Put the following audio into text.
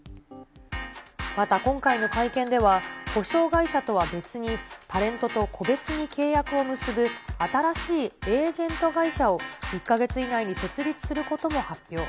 また今回の会見では、補償会社とは別に、タレントと個別に契約を結ぶ新しいエージェント会社を１か月以内に設立することも発表。